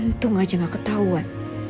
untung aja gak ketahuan